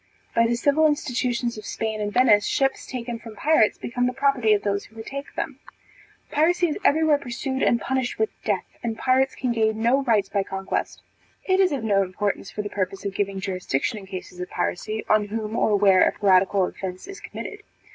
By the civil institutions of Spain and Venice, ships taken from pirates became the property of those who retake them. Piracy is every where pursued and punished with death, and pirates can gain no rights by conquest. It is of no importance, for the purpose of giving jurisdiction in cases of piracy, on whom or where a piratical offence is committed.